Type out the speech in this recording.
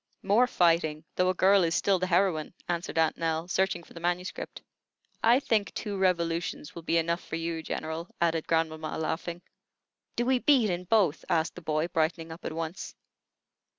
"More fighting, though a girl is still the heroine," answered Aunt Nell, searching for the manuscript. "I think two revolutions will be enough for you, General," added grandmamma, laughing. "Do we beat in both?" asked the boy, brightening up at once.